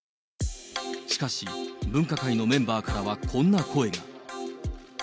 しかし、分科会のメンバーからはこんな声が。